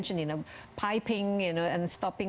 panggung dan menghentikan